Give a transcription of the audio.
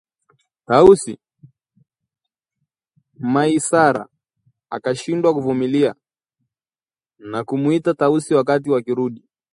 “Tausi?!” Maisara akashindwa kuvumilia na kumuita Tausi wakati wakirudi